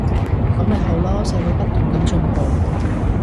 噉咪好囉，社會不斷噉進步